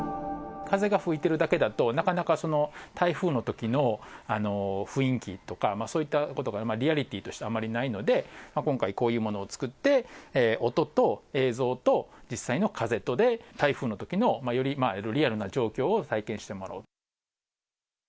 風が吹いてるだけだと、なかなか台風のときの雰囲気とか、そういったことがリアリティーとしてあんまりないので、今回、こういうものを作って、音と映像と、実際の風とで、台風のときのよりリアルな状況を体験してもらおうと。